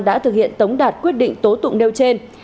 đã thực hiện tống đạt quyết định tố tụng nêu trên